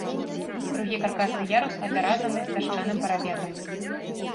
Другі каркасны ярус апяразаны дашчаным парапетам.